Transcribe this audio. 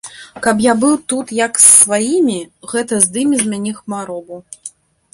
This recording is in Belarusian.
Каб я быў тут як з сваiмi, гэта здыме з мяне хваробу.